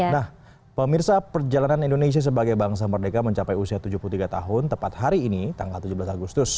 nah pemirsa perjalanan indonesia sebagai bangsa merdeka mencapai usia tujuh puluh tiga tahun tepat hari ini tanggal tujuh belas agustus